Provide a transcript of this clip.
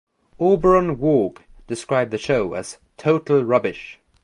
Auberon Waugh described the show as "total rubbish".